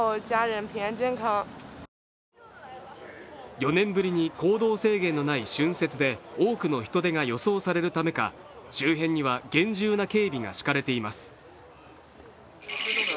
４年ぶりに行動制限のない春節で多くの人出が予想されるためか周辺には厳重な警備が敷かれています。